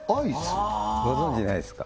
ご存じないですか？